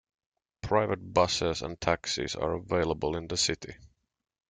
Private buses and taxis are available in the city.